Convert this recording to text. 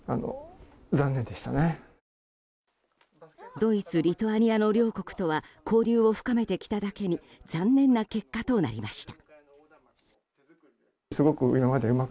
ドイツ、リトアニアの両国とは交流を深めてきただけに残念な結果となりました。